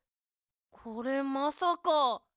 これまさか。